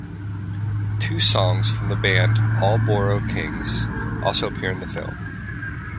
Two songs from the band All Boro Kings also appear in the film.